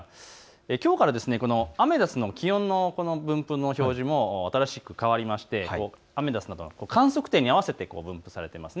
きょうからアメダスの気温の分布の表示も新しく変わりまして観測点に合わせて分布されています。